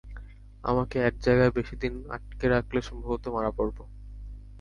আমাকে এক জায়গায় বেশী দিন আটকে রাখলে সম্ভবত মারা পড়ব।